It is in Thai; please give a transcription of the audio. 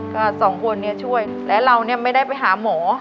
ก็สองคนนี้ช่วยและเราเนี่ยไม่ได้ไปหาหมอ